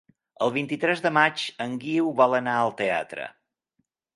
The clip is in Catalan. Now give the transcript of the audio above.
El vint-i-tres de maig en Guiu vol anar al teatre.